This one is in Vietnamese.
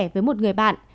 với một người bạn